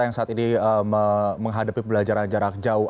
yang saat ini menghadapi pelajaran jarak jauh